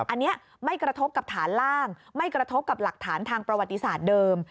อันนี้ไม่กระทบกับฐานล่างไม่กระทบกับหลักฐานทางประวัติศาสตร์เดิม